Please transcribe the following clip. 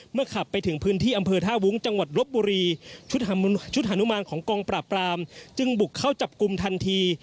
ขับไปถึงพื้นที่อำเภอท่าวุ้งจังหวัดลบบุรีชุดฮานุมานของกองปราบปรามจึงบุกเข้าจับกลุ่มทันที